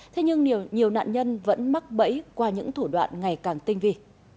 thế nhưng nhiều nạn nhân vẫn mắc bẫy qua những thủ đoạn ngày càng tinh vi